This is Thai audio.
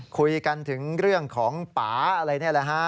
คุยกันถึงเรื่องของป่าอะไรนี่แหละฮะ